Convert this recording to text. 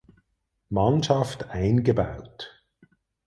Mannschaft eingebaut.